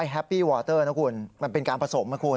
แฮปปี้วอเตอร์นะคุณมันเป็นการผสมนะคุณ